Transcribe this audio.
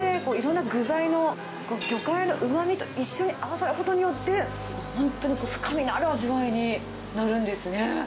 でもそれが、このパエリアでいろんな具材の、、魚介のうまみと一緒に合わさることによって、本当に深みのある味わいになるんですね。